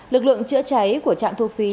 lực lượng chữa cháy của trạm thu phí